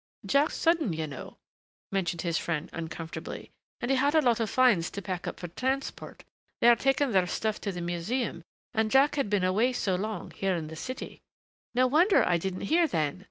"Jack's sudden, you know," mentioned his friend uncomfortably. "And he had a lot of finds to pack up for transport they are taking their stuff to the museum and Jack had been away so long, here in the city " "No wonder I didn't hear then!"